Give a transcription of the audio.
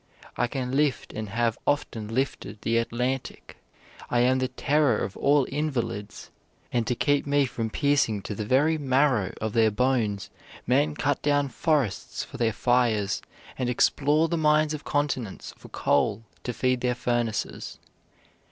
I can lift and have often lifted the Atlantic. I am the terror of all invalids, and to keep me from piercing to the very marrow of their bones, men cut down forests for their fires and explore the mines of continents for coal to feed their furnaces.